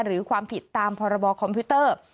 หรือความผิดตามพรบคอมพิวเตอร์